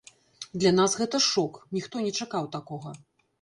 Для нас гэта шок, ніхто не чакаў такога.